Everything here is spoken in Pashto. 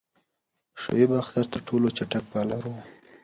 شعیب اختر تر ټولو چټک بالر وو.